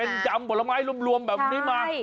เป็นยำผลไม้รวมแบบนี้มา